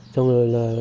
xong rồi là